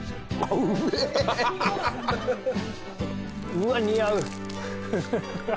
うわっ似合う。